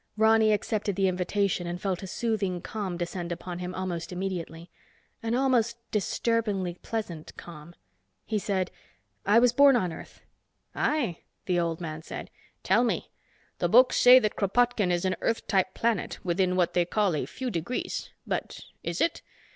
Ronny accepted the invitation and felt a soothing calm descend upon him almost immediately. An almost disturbingly pleasant calm. He said, "I was born on Earth." "Ai?" the old man said. "Tell me. The books say that Kropotkin is an Earth type planet within what they call a few degrees. But is it?